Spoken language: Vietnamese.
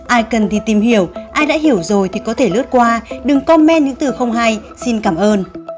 ai cần thì tìm hiểu ai đã hiểu rồi thì có thể lướt qua đừng comment những từ không hay xin cảm ơn